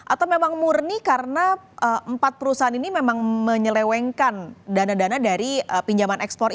atau memang murni karena empat perusahaan ini memang menyelewengkan dana dana dari pinjaman ekspor